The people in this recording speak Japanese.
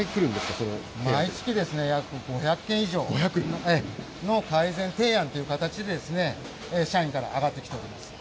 毎月約５００件以上。の改善提案という形で、社員からあがってきております。